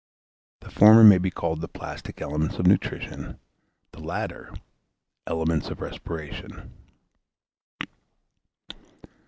The former may be called the plastic elements of nutrition; the latter, elements of respiration.